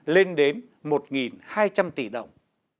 lên đến một hai trăm linh tỷ đồng